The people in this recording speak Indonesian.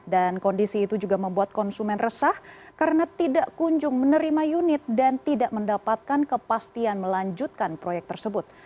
dan kondisi itu juga membuat konsumen resah karena tidak kunjung menerima unit dan tidak mendapatkan kepastian melanjutkan proyek tersebut